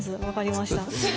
分かりました。